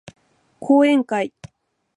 講演会